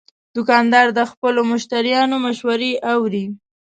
دوکاندار د خپلو مشتریانو مشورې اوري.